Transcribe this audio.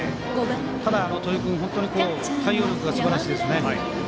ただ、戸井君本当に対応力がすばらしいです。